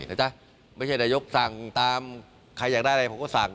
เขาจะคุมได้ยังไงนะจ๊ะไม่ใช่นายกสั่งตามใครอยากได้อะไรผมก็สั่ง